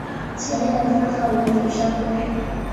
前燕封他为岷山公。